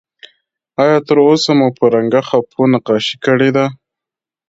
آیا تر اوسه مو په رنګه خپو نقاشي کړې ده؟